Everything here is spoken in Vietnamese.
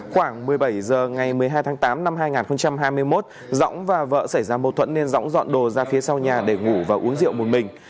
khoảng một mươi bảy h ngày một mươi hai tháng tám năm hai nghìn hai mươi một dõng và vợ xảy ra mâu thuẫn nên dõng dọn đồ ra phía sau nhà để ngủ và uống rượu một mình